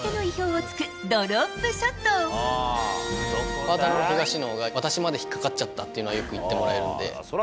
パートナーの東野が私まで引っかかっちゃったっていうのはよく言ってもらえるので。